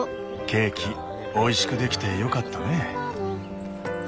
ケーキおいしくできてよかったね！